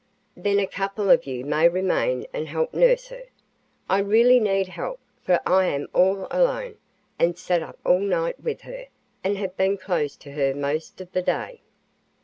Then a couple of you may remain and help nurse her. I really need help, for I am all alone, and sat up all night with her, and have been close to her most of the day.